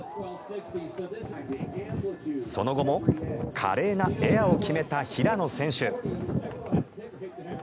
その後も華麗なエアを決めた平野選手。